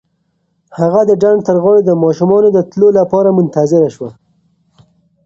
هغه د ډنډ تر غاړې د ماشومانو د تلو لپاره منتظره شوه.